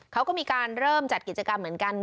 เขาก็มีการเริ่มจัดกิจกรรมเหมือนกัน